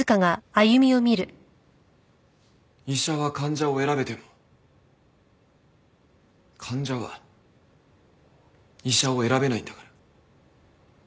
医者は患者を選べても患者は医者を選べないんだから。